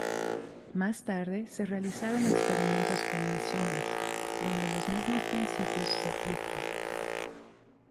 Más tarde se realizaron experimentos con mesones, donde los mismos principios se aplican.